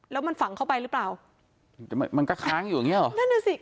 แล้วมันฝังเข้าไปหรือเปล่าแต่มันก็ค้างอยู่อย่างเงี้เหรอนั่นน่ะสิ